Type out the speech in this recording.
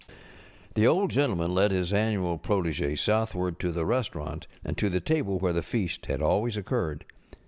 The Old Gentleman led his annual protege south┬¼ ward to the restaurant, and to the table where the feast had always occurred.